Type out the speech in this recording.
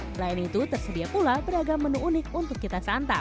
selain itu tersedia pula beragam menu unik untuk kita santap